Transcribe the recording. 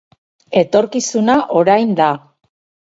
Etorkizuna, orain da.